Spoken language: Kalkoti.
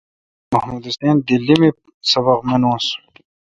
محمد حسین دیلی می سبق منس۔